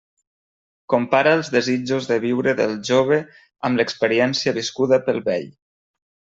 Compara els desitjos de viure del jove amb l'experiència viscuda pel vell.